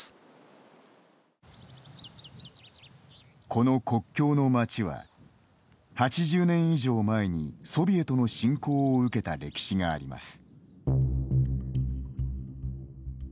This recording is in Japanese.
この国境の街は８０年以上前にソビエトの侵攻を受けた歴史があります。